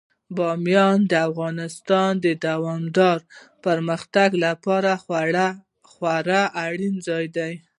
بامیان د افغانستان د دوامداره پرمختګ لپاره خورا اړین ځای دی.